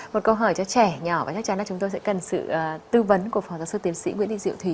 một câu hỏi cho trẻ nhỏ và chắc chắn là chúng tôi sẽ cần sự tư vấn của phó giáo sư tiến sĩ nguyễn thị diệu thì